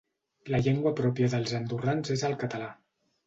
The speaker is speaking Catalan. La llengua pròpia dels andorrans és el català.